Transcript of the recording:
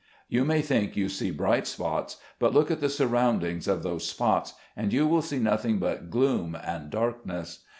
You may think you see bright spots, but look at the surroundings of those spots, and you will see nothing but gloom and darkness.